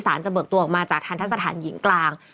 สารจะเบิกตัวออกมาจากทางท่านสถานหญิงกลาง